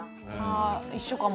一緒かも。